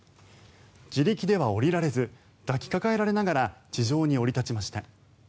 自力では降りられず抱きかかえられながら地上に降り立ちました。